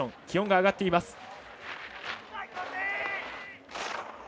気温が上がっています。